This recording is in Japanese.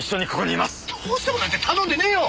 どうしてもなんて頼んでねえよ！